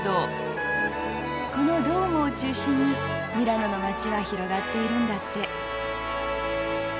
このドゥオモを中心にミラノの街は広がっているんだって。